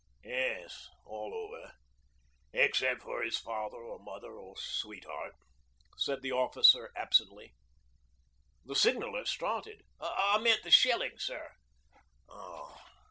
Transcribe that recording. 'Yes, all over except for his father, or mother, or sweetheart,' said the officer absently. The signaller stared. 'I meant the shellin', sir.'